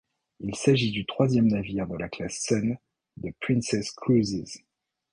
Il s'agit du troisième navire la classe Sun de Princess Cruises.